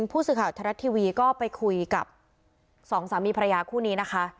ผู้สื่อข่าวไทยรัฐทีวีก็ไปคุยกับสองสามีภรรยาคู่นี้นะคะ